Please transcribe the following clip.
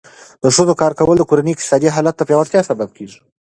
د ښځو کار کول د کورنۍ د اقتصادي حالت د پیاوړتیا سبب ګرځي.